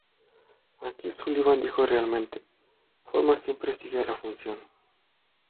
Aquí Sullivan dijo realmente "forma siempre sigue a la función".